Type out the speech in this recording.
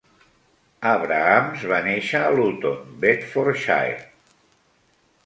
Abrahams va néixer a Luton, Bedfordshire.